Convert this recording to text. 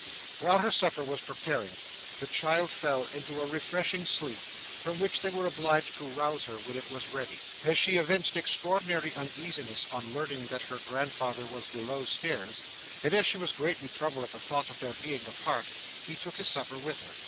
While her supper was preparing, the child fell into a refreshing sleep, from which they were obliged to rouse her when it was ready. As she evinced extraordinary uneasiness on learning that her grandfather was below stairs, and as she was greatly troubled at the thought of their being apart, he took his supper with her.